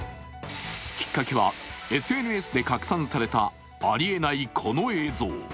きっかけはＳＮＳで拡散されたありえないこの映像。